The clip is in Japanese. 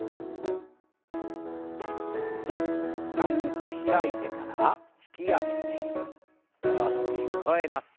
軽く開いてから引き上げて下ろしてそろえます。